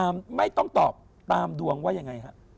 ไม่ต้องตอบตามดวงว่าอย่างไรครับ